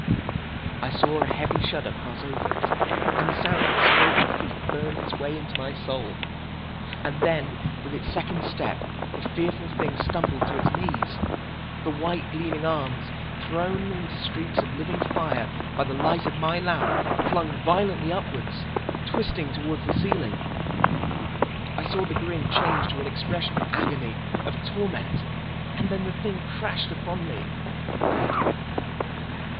I saw a heavy shudder pass over it, and the sound of its scraping feet burned its way into my soul. And then, with its second step, the fearful thing stumbled to its knees. The white, gleaming arms, thrown into streaks of living fire by the light of my lamp, flung violently upwards, twisting toward the ceiling. I saw the grin change to an expression of agony, of torment. And then the thing crashed upon me—dead.